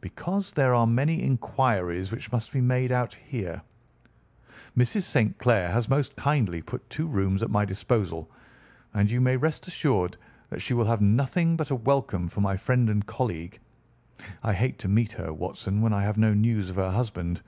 "Because there are many inquiries which must be made out here. Mrs. St. Clair has most kindly put two rooms at my disposal, and you may rest assured that she will have nothing but a welcome for my friend and colleague. I hate to meet her, Watson, when I have no news of her husband.